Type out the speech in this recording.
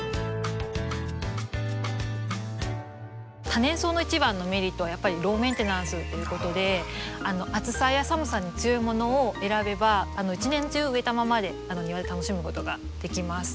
多年草の一番のメリットはやっぱりローメンテナンスっていうことで暑さや寒さに強いものを選べば一年中植えたままで庭で楽しむことができます。